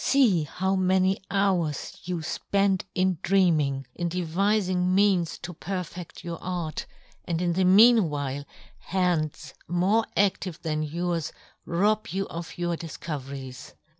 " See how many hours you fpend in " dreaming, in devifing means to per " fedt your art, and in the mean " while hands more adtive than yours " rob you of your difcoveries.